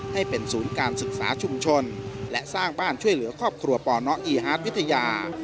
ให้เป็นศูนย์การศึกษาชุมชนและสร้างบ้านช่วยเหลือครอบครัวปนอีฮาร์ดวิทยา